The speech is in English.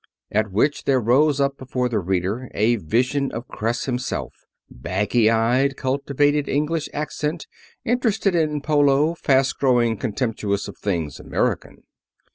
At which there rose up before the reader a vision of Kreiss himself baggy eyed, cultivated English accent, interested in polo, fast growing contemptuous of things American.